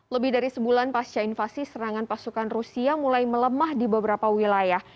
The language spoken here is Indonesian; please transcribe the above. lebih dari sebulan pasca invasi serangan pasukan rusia mulai melemah di beberapa wilayah